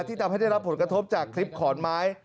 ทำให้ได้รับผลกระทบจากคลิปขอนไม้